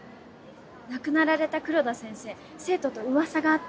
亡くなられた黒田先生生徒と噂があったの。